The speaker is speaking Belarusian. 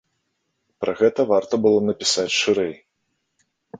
Пра гэта варта было напісаць шырэй.